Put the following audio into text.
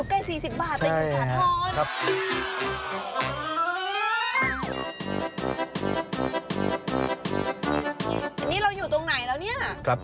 อันนี้เราอยู่ตรงไหนแล้วเนี่ย